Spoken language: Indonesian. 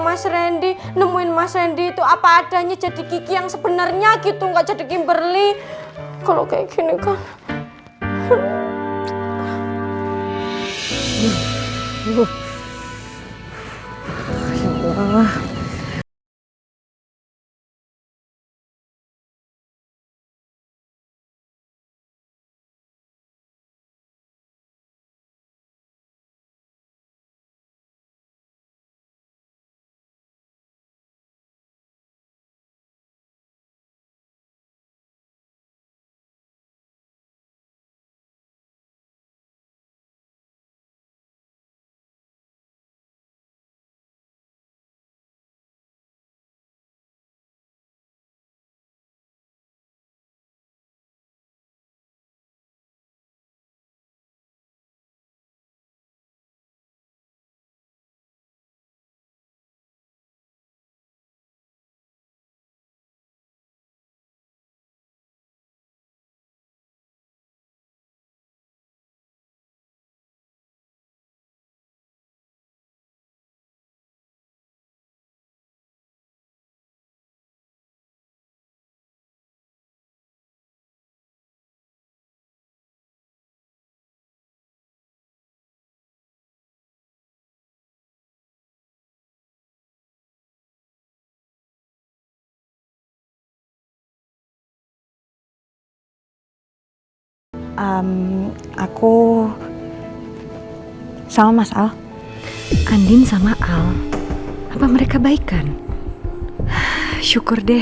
mas randy nemuin mas randy itu apa adanya jadi gigi yang sebenarnya gitu enggak jadi kimberly